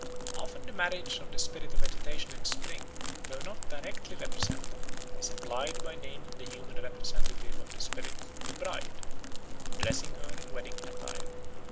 Often the marriage of the spirit of vegetation in spring, though not directly represented, is implied by naming the human representative of the spirit, "the Bride," and dressing her in wedding attire.